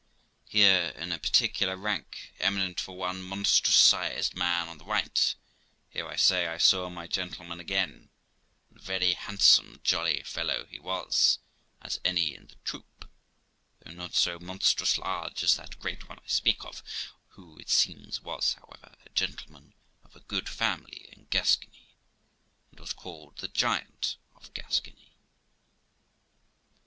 Here, in a particular rank, eminent for one monstrous sized man on the right; here, I say, I saw my gentleman again, and a very handsome, jolly fellow he was, as any in the troop, though not so monstrous large as that great one I speak of, who, it seems, was, however, a gentleman of a good family in Gascony, and was called the giant of Gascony.